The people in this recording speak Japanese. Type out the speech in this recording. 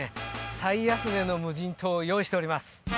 最安値の無人島を用意しております